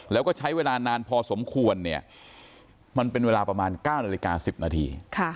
แล้วก็ใช้เวลานานพอสมควรเนี่ยมันเป็นเวลาประมาณ๙นาฬิกา๑๐นาที